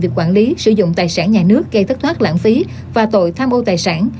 việc quản lý sử dụng tài sản nhà nước gây thất thoát lãng phí và tội tham ô tài sản